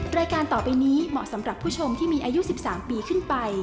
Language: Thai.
รายการต่อไปนี้เหมาะสำหรับผู้ชมที่มีอายุ๑๓ปีขึ้นไป